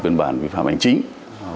đơn bản vi phạm ảnh chính